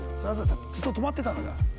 ずっと止まってたんだから。